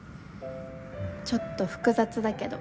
ちょっと複雑だけど。